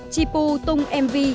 chi pu tung mv